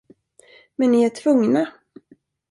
Men ni är tvungna.